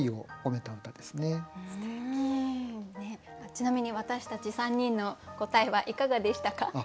ちなみに私たち３人の答えはいかがでしたか？